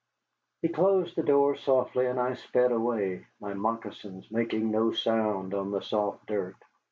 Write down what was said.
He closed the door softly and I sped away, my moccasins making no sound on the soft dirt.